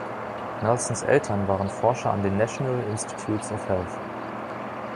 Nelsons Eltern waren Forscher an den National Institutes of Health.